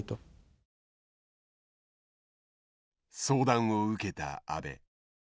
相談を受けた安倍。